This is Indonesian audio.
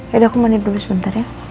ya udah aku mandi dulu sebentar ya